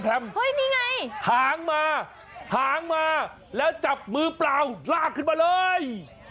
นี่ไงหางมาหางมาแล้วจับมือเปล่าลากขึ้นมาเลย